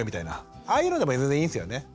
ああいうのでも全然いいんですよね？